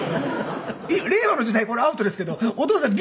令和の時代これアウトですけどお父さんビール。